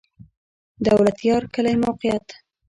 د دولتيار کلی موقعیت